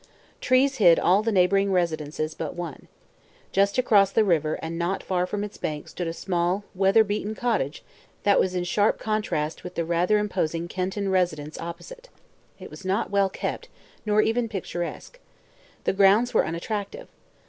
Trees hid all the neighboring residences but one. Just across the river and not far from its bank stood a small, weather beaten cottage that was in sharp contrast with the rather imposing Kenton residence opposite. It was not well kept, nor even picturesque. The grounds were unattractive.